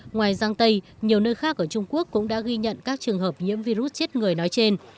ngoài giang tây nhiều nơi khác ở trung quốc cũng đã ghi nhận các trường hợp nhiễm virus chết người nói trên